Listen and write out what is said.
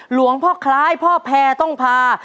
หลวงพ่อคล้ายพ่อแพรต้องพา